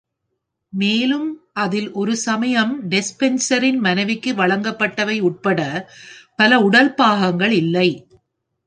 மேலும் அதில் ஒருசமயம் டெஸ்பென்சரின் மனைவிக்கு வழங்கப்பட்டவை உட்பட, பல உடல் பாகங்கள் இல்லை.